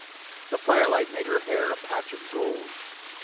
The firelight made her hair a patch of gold.